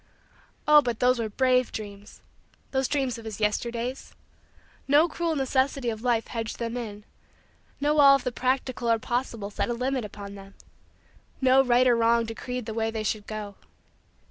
Oh, but those were brave dreams those dreams of his Yesterdays! No cruel necessity of life hedged them in. No wall of the practical or possible set a limit upon them. No right or wrong decreed the way they should go.